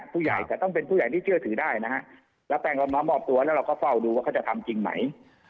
ผู้ใหญ่แต่ต้องเป็นผู้ใหญ่ที่เชื่อถือได้นะฮะแล้วแป้งเรามามอบตัวแล้วเราก็เฝ้าดูว่าเขาจะทำจริงไหม